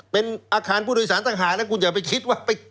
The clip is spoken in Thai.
เป็นอาคารผู้โดยสารต่างหากนะคุณอย่าไปคิดว่า